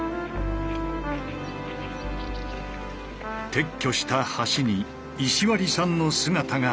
撤去した橋に石割さんの姿があった。